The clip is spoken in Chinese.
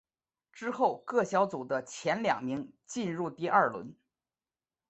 之后各小组的前两名进入第二轮。